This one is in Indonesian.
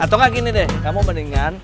atau nggak gini deh kamu mendingan